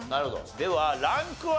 ではランクは？